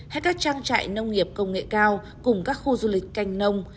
hay các trang trại nông nghiệp công nghệ cao cùng các khu du lịch canh nông